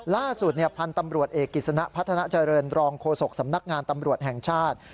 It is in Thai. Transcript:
ล่าสุดพันธุ์ตำรวจเอกกิจสนะพัฒนาเจริญรองโฆษกสำนักงานตำรวจแห่งชาติ